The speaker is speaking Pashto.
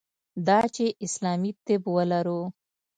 دا چې اسلامي طب ولرو.